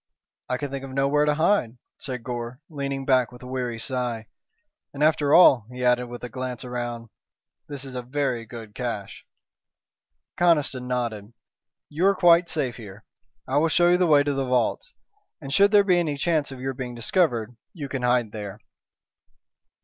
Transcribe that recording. "I could think of nowhere to hide," said Gore, leaning back with a weary sigh. "And after all," he added, with a glance round, "this is a very good caché." Conniston nodded. "You are quite safe here. I will show you the way to the vaults, and should there be any chance of your being discovered you can hide there."